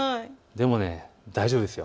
でも大丈夫です。